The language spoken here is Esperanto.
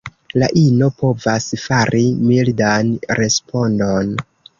La ino povas fari mildan respondon.